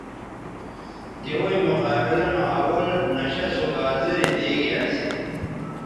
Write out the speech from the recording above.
تویں مقابلہ نو اول نشہ سو گازرے دیگے اسے